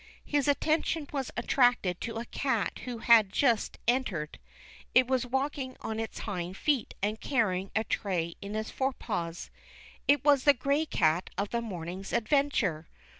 His attention was attracted to a cat who had just entered. It was walking on its hind feet and carrying a tray in its forepaws. It was the gray cat of the morning's adventure.